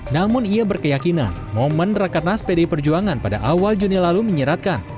namun ia berkeyakinan momen rakat nas pdi perjuangan pada awal juni lalu menyeratkan